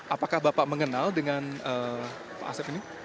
apakah bapak mengenal dengan pak asep ini